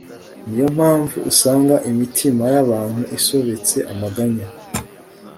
ni yo mpamvu usanga imitima y'abantu isobetse amaganya